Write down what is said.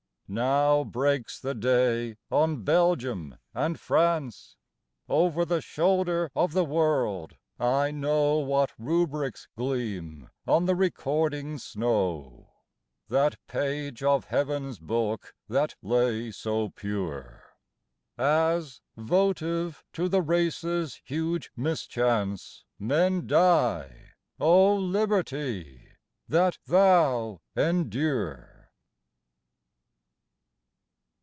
Now breaks the day on Belgium and France. Over the shoulder of the world, I know What rubrics gleam on the recording snow (That page of Heaven s book that lay so pure!) As, votive to the race s huge mischance, Men die, O Liberty! that thou endure.